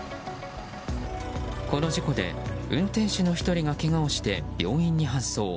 この事故で、運転手の１人がけがをして病院に搬送。